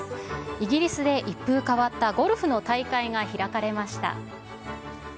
イギリスで一風変わったゴルフの大会が開かれました。